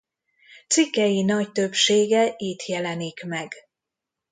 Cikkei nagy többsége itt jelenik meg.